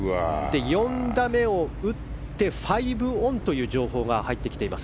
４打目を打って、５オンという情報が入ってきています。